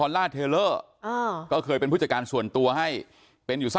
ลองฟังเสียงช่วงนี้ดูค่ะ